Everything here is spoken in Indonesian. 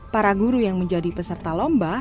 para guru yang menjadi peserta lomba